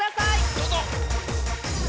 どうぞ！